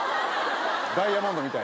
ダイヤモンドみたい。